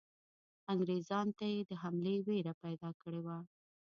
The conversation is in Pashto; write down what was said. انګریزانو ته یې د حملې وېره پیدا کړې وه.